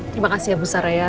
terima kasih ya bu sarya